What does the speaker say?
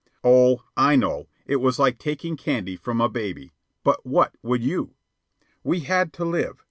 Oh, I know, it was like taking candy from a baby, but what would you? We had to live.